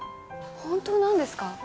本当なんですか？